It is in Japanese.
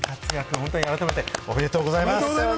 本当に改めておめでとうございます！